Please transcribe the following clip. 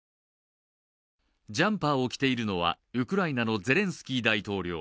ジャンパーを着ているのは、ウクライナのゼレンスキー大統領。